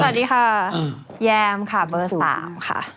สวัสดีค่ะแยมค่ะเบอร์๓ค่ะ